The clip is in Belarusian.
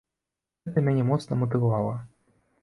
Гэта мяне моцна матывавала.